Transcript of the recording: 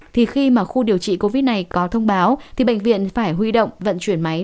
thì khi mà khu điều trị covid này có thông báo thì bệnh viện phải huy động vận chuyển máy